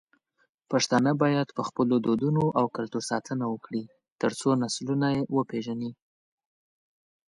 پښتانه بايد په خپلو دودونو او کلتور ساتنه وکړي، ترڅو نسلونه يې وپېژني.